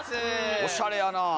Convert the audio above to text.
おしゃれやなあ。